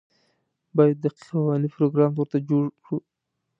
باید دقیق او علمي پروګرام ورته جوړ کړو.